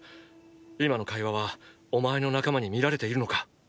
今の会話はお前の仲間に見られているのか？